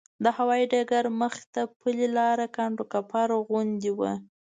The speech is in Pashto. د هوایي ډګر مخې ته پلې لاره کنډوکپر غوندې وه.